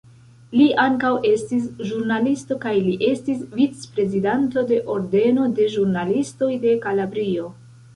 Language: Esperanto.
Li ankaŭ estis ĵurnalisto kaj li estis vic-prezidanto de Ordeno de ĵurnalistoj de Kalabrio.